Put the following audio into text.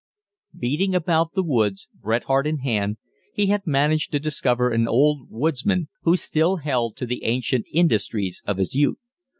Beating about the woods, Bret Harte in hand, he had managed to discover an old woodsman who still held to the ancient industries of his youth.